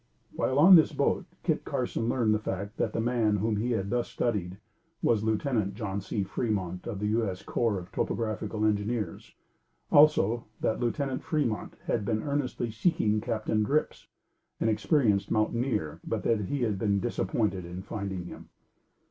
While on this boat Kit Carson learned the fact that the man, whom he had thus studied, was Lieutenant John C. Fremont of the U.S. corps of topographical engineers; also, that Lieutenant Fremont had been earnestly seeking Captain Drips, an experienced mountaineer, but, that he had been disappointed in finding him.